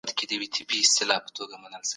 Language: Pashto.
ولي د خپلي خوښي کار کول ذهن ته انرژي ورکوي؟